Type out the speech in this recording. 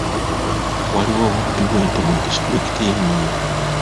Waliwo obubbi bw'ente mu disitulikiti y'e Moyo.